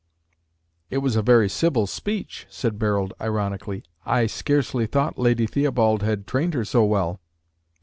"It was a very civil speech," said Barold ironically. "I scarcely thought Lady Theobald had trained her so well."